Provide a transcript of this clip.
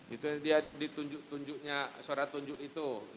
itu dia ditunjuk tunjuknya suara tunjuk itu